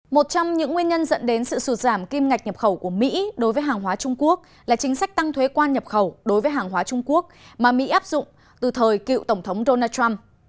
một trong những nguyên nhân dẫn đến sự sụt giảm kim ngạch nhập khẩu của mỹ đối với hàng hóa trung quốc là chính sách tăng thuế quan nhập khẩu đối với hàng hóa trung quốc mà mỹ áp dụng từ thời cựu tổng thống donald trump